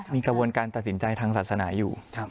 มีกระบวนการตัดสินใจทางศาสนาอยู่